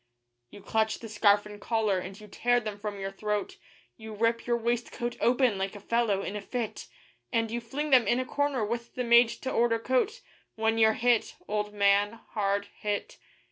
You clutch the scarf and collar, and you tear them from your throat, You rip your waistcoat open like a fellow in a fit; And you fling them in a corner with the made to order coat, When you're hit, old man hard hit.